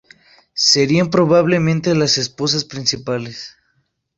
Serían probablemente las esposas principales.